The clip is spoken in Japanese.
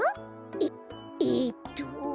えっえっと。